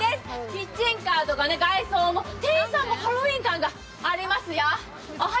キッチンカーとか外装も、店主もハロウィーン感がありますよ。